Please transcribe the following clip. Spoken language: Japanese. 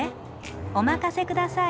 お任せください。